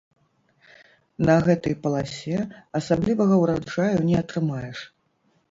На гэтай паласе асаблівага ўраджаю не атрымаеш.